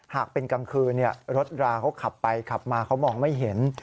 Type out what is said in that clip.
หากเป็นกลางคืนรถราเขาขับไปขับมาเขามองไม่เห็น